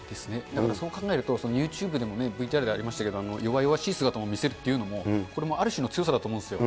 だからそう考えると、ユーチューブでもね、ＶＴＲでありましたけど、弱々しい姿を見せるというのも、これもある種の強さだと思うんですよ。